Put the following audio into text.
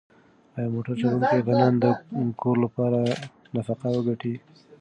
ایا موټر چلونکی به نن د کور لپاره نفقه وګټي؟